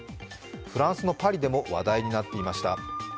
フランスのパリでも話題になっていました。